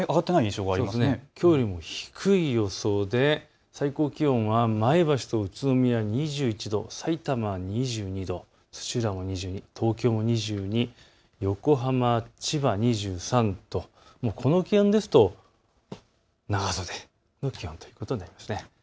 きょうよりも低い予想で最高気温は前橋と宇都宮２１度、さいたま２２度、土浦も２２度、東京も２２度、横浜、千葉２３度とこの気温ですと長袖の気温ということですね。